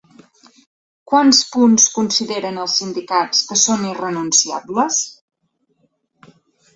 Quants punts consideren els sindicats que són irrenunciables?